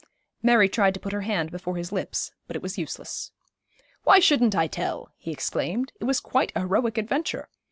Mary tried to put her hand before his lips, but it was useless. 'Why shouldn't I tell?' he exclaimed. 'It was quite a heroic adventure.